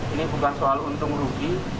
ini bukan soal untung rugi